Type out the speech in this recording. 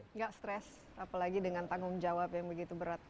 enggak stress apalagi dengan tanggung jawab yang begitu berat